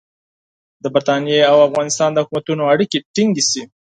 د برټانیې او افغانستان د حکومتونو اړیکې ټینګې شي.